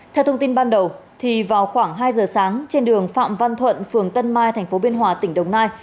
theo thông tin ban đầu vào khoảng hai giờ sáng trên đường phạm văn thuận phường tân mai tp biên hòa tỉnh đồng nai